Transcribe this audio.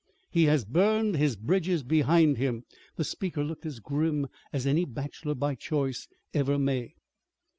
"He has burned his bridges behind him." The speaker looked as grim as any bachelor by choice ever may.